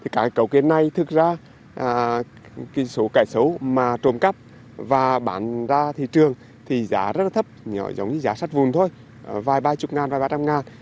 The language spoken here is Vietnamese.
các cấu kiện này thực ra số cải sấu mà trộm cắp và bán ra thị trường thì giá rất là thấp giống như giá sắt vùn thôi vài ba chục ngàn vài ba trăm ngàn